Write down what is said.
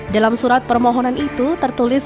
dalam surat permohonan itu tertulis